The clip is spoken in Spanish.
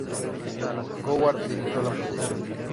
Coward dirigió la producción.